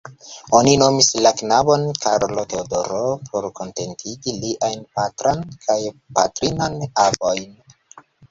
Oni nomis la knabon Karlo-Teodoro por kontentigi liajn patran kaj patrinan avojn.